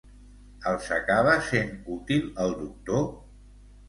Els acaba sent útil el doctor?